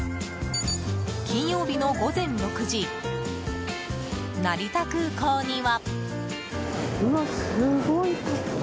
金曜日の午前６時成田空港には。